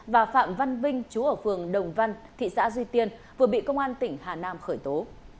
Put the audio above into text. và phạm văn vinh chú ở phường đồng văn thị xã duy tiên vừa bị công an tp biên hòa khởi tố